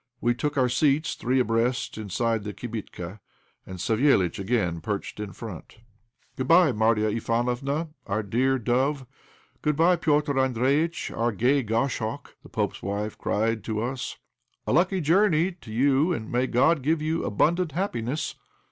We took our seats, three abreast, inside the "kibitka," and Savéliitch again perched in front. "Good bye, Marya Ivánofna, our dear dove; good bye, Petr' Andréjïtch, our gay goshawk!" the pope's wife cried to us. "A lucky journey to you, and may God give you abundant happiness!"